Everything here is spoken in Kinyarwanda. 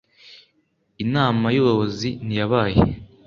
inama yubuyobozi ntiyabaye